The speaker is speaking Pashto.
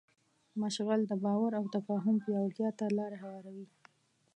مشعل د باور او تفاهم پیاوړتیا ته لاره هواروي.